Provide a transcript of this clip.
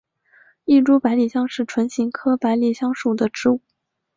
异株百里香是唇形科百里香属的植物。